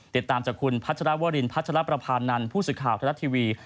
ติดตามจากคุณพัชรวรินพัชรประพานันทร์ผู้สื่อข่าวทรัฐทีวี